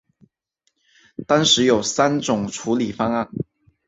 当时有三种处理方案。